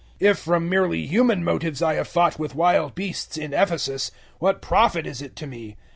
015:032 If from merely human motives I have fought with wild beasts in Ephesus, what profit is it to me?